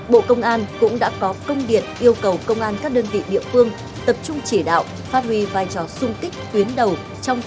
bộ công an cũng đã có công điện yêu cầu công an các đơn vị địa phương tập trung chỉ đạo phát huy vai trò xung kích tuyến đầu trong công ty